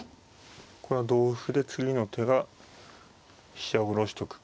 これは同歩で次の手が飛車下ろしとく。